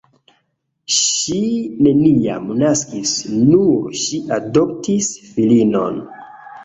Ŝi neniam naskis, nur ŝi adoptis filinon.